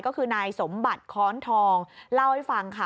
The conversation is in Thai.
ก็คือนายสมบัติค้อนทองเล่าให้ฟังค่ะ